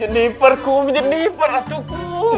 jeniper kum jeniper aduh kum